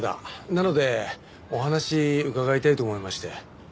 なのでお話伺いたいと思いまして。